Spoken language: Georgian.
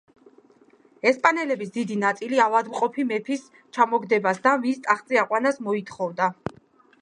ესპანელების დიდი ნაწილი ავადმყოფი მეფის ჩამოგდებას და მის ტახტზე აყვანას მოითხოვდა.